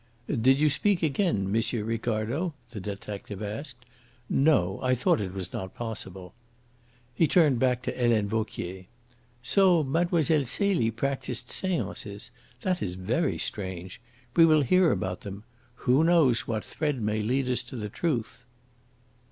"Did you speak again, M. Ricardo?" the detective asked. "No? I thought it was not possible." He turned back to Helene Vauquier. "So Mlle. Celie practised seances. That is very strange. We will hear about them. Who knows what thread may lead us to the truth?"